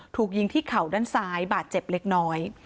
ถูกยิงที่เข่าด้านซ้ายบาดเจ็บเล็กน้อย